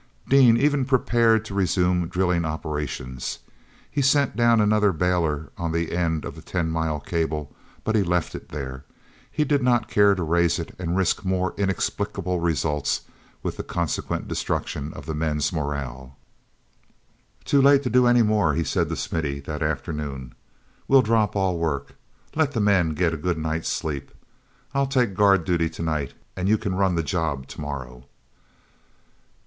Dean even prepared to resume drilling operations. He sent down another bailer on the end of the ten mile cable, but he left it there; he did not care to raise it and risk more inexplicable results with the consequent destruction of the men's morale. "Too late to do any more," he said to Smithy that afternoon. "We'll drop all work—let the men get a good night's sleep. I'll take guard duty to night, and you can run the job to morrow."